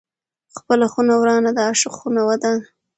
ـ خپله خونه ورانه، د عاشق خونه ودانه.